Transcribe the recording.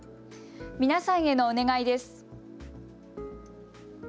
皆さんへのお願いです。